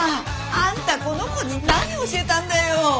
あんたこの子に何を教えたんだよ！